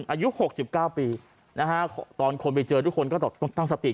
อายุหกสิบเก้าปีนะฮะตอนคนไปเจอทุกคนก็ต้องตั้งสติด